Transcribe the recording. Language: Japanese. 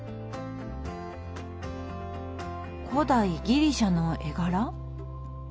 古代ギリシャの絵柄？